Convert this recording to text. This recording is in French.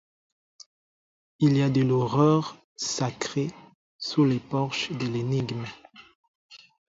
Il y a de l'horreur sacrée sous les porches de l'énigme.